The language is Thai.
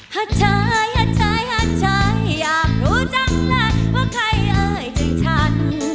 หัดเชยหัดเชยหัดเชยอยากรู้จังเลยว่าใครเอาถึงฉัน